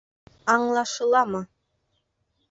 Аңлашыламы?